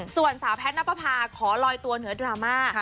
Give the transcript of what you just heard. ส่วนสาวแพทย์นับประพาขอลอยตัวเหนือดราม่า